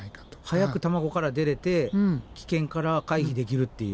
早く卵から出れて危険から回避できるっていう。